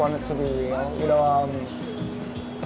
anda tahu saya ingin menjadi nyata